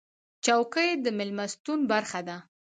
چوکۍ د میلمستون برخه ده.